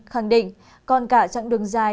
khẳng định còn cả chặng đường dài